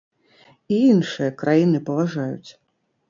І іншыя краіны паважаюць.